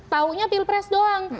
tahunya pilpres doang